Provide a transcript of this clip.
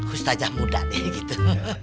ustazah muda nih gitu